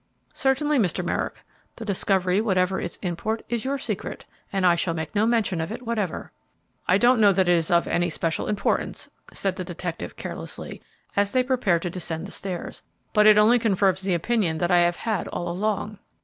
"Certainly, Mr. Merrick. The discovery, whatever its import, is your secret, and I shall make no mention of it whatever." "I don't know that it is of any special importance," said the detective, carelessly, as they prepared to descend the stairs; "but it only confirms the opinion that I have had all along."